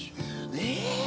え！